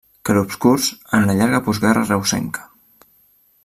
Clarobscurs en la llarga postguerra reusenca.